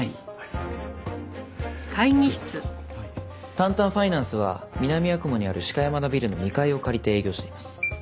タンタンファイナンスは南八雲にある鹿山田ビルの２階を借りて営業しています。